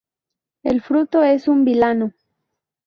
El fruto es un vilano.